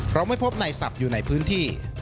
เราไม่พบไหนสับอยู่ในพื้นที่